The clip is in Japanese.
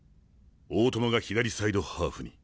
大友が左サイドハーフに。